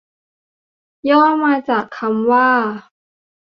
ย่อมาจากคำว่า